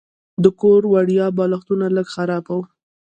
د کور وړیا بالښتونه لږ خراب وو.